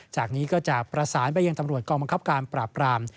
จากนี้ก็จะประสานไปยังตำรวจกองบังคับการปราบราม